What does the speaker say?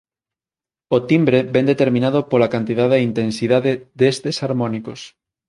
O timbre vén determinado pola cantidade e intensidade destes harmónicos.